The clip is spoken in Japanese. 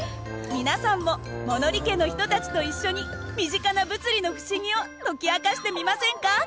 皆さんも物理家の人たちと一緒に身近な物理の不思議を解き明かしてみませんか？